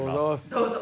どうぞ。